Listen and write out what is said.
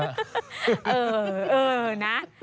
เออนะ